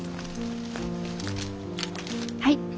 はい。